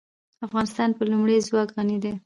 افغانستان په لمریز ځواک غني دی.